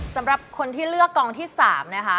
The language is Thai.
สำหรับคนที่เลือกกองที่๓นะคะ